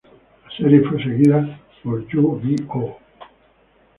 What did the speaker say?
La serie fue seguida por Yu-Gi-Oh!